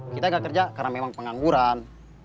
kita nggak kerja karena memang pengangguran